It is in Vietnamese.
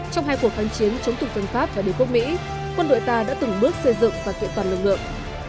trong hai cuộc kháng chiến chống tục dân pháp và đế quốc mỹ quân đội ta đã từng bước xây dựng và kiện toàn lực lượng